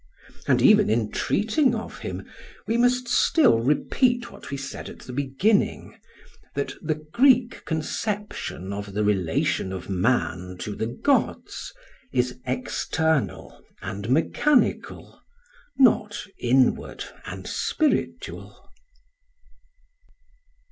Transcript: And even in treating of him, we must still repeat what we said at the beginning, that the Greek conception of the relation of man to the gods is external and mechanical, not inward and spiritual.